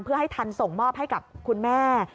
เพื่อให้ทันส่งมอบให้กับคุณแม่